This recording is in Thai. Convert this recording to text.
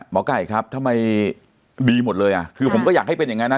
ไก่ครับทำไมดีหมดเลยอ่ะคือผมก็อยากให้เป็นอย่างนั้นนะ